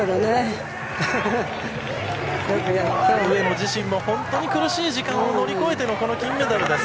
上野自身も苦しい時間を乗り越えてのこの金メダルです。